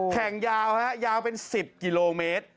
แข่งยาวฮะยาวเป็น๑๐กิโลเมตร